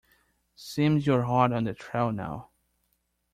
Seems you're hot on the trail now.